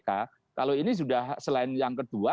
kalau ini sudah selain yang kedua